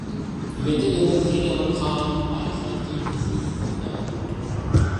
major general Zaheer Ahmed Khan Pakistan steel کے C E O تعینات